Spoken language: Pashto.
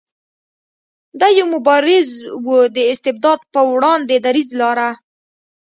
دی یو مبارز و د استبداد په وړاندې دریځ لاره.